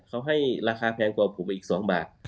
เขาให้ราคาแพงกว่าผมอีก๒บาท